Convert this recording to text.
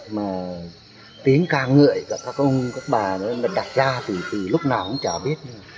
mà tiếng ca ngợi cả các ông các bà nó đặt ra thì từ lúc nào cũng chả biết